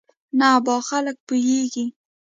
نه ابا خلک پوېېږي.